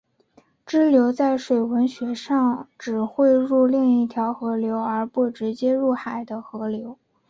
支流在水文学上指汇入另一条河流而不直接入海的河流。